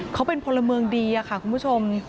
เขาเป็นพลเมืองดีค่ะคุณผู้ชม